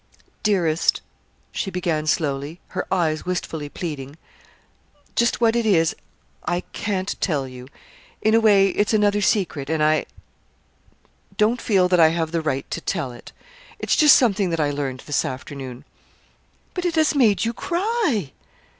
"Dearest," she began slowly, her eyes wistfully pleading, "just what it is, I can't tell you. In a way it's another's secret, and I don't feel that I have the right to tell it. It's just something that I learned this afternoon." "But it has made you cry!"